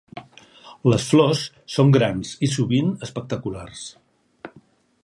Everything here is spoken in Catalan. Les flors són grans i sovint espectaculars.